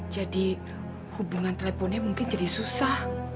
jadi hubungan teleponnya mungkin jadi susah